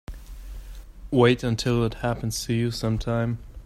Wait until it happens to you sometime.